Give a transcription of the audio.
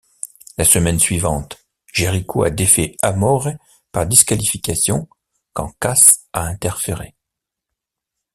La semaine suivante, Jericho a défait Amore par disqualification quand Cass a interféré.